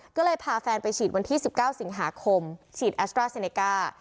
ก็เลยพาแฟนไปฉีดวันที่๑๙สิงหาคมฉีดแอสตราเซเนก้า